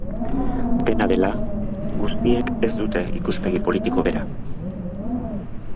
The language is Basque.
Dena dela, guztiek ez zuten ikuspegi politiko bera.